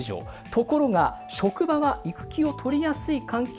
ところが「職場は育休を取りやすい環境だと思うか」